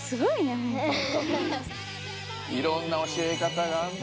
いろんな教えかたが。